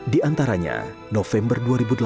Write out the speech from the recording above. di antaranya november dua ribu delapan belas